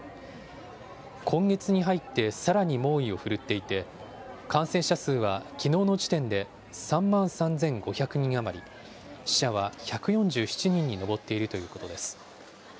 今月に入ってさらに猛威を振るっていて、感染者数はきのうの時点で３万３５００人余り、死者は１４７人に上っているということです。